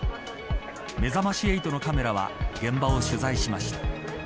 めざまし８のカメラは現場を取材しました。